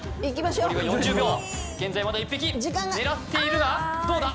残りは４０秒現在まだ１匹狙っているがどうだ？